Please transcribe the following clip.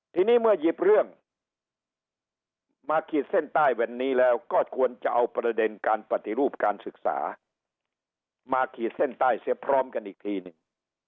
ทีนี้เมื่อหยิบเรื่องมาขีดเส้นใต้วันนี้แล้วก็ควรจะเอาประเด็นการปฏิรูปการศึกษามาขีดเส้นใต้เสียพร้อมกันอีกทีหนึ่ง